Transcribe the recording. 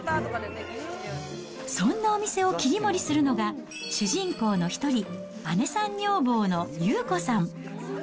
そんなお店を切り盛りするのが、主人公の一人、姉さん女房の祐子さん。